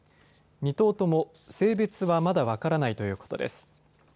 ２頭とも性別はまだ分からないということです。